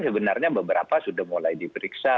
sebenarnya beberapa sudah mulai diperiksa